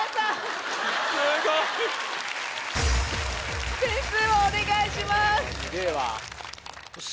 すごい！点数をお願いします。